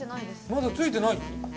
まだついてない？